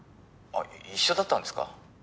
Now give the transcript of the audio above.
「あっ一緒だったんですか」